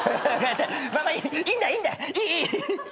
いいんだいいんだいいいい。